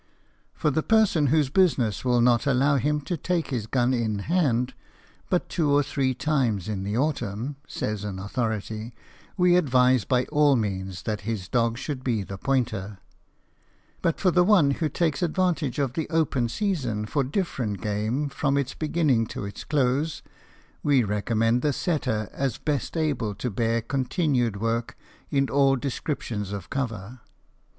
"For the person whose business will not allow him to take his gun in hand but two or three times in the autumn," says an authority, "we advise by all means that his dog should be the pointer; but for the one who takes advantage of the open season for different game from its beginning to its close, we recommend the setter as best able to bear continued work in all descriptions of cover."